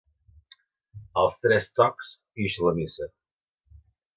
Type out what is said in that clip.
Als tres tocs ix la missa.